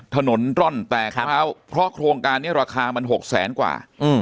ถนนร่อนแตกร้าวเพราะโครงการนี้ราคามัน๖แสนกว่า